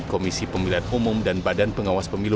komisi pemilihan umum dan badan pengawas pemilu